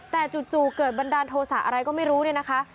แต่จู่เกิดบันดาลโทษะอะไรก็ไม่รู้เนี่ยนะคะ